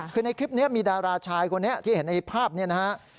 คือในคลิปนี้มีดาราชายคนนี้ที่เห็นในภาพนี้นะฮะ